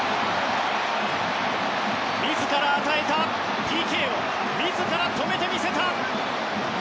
自ら与えたＰＫを自ら止めてみせた！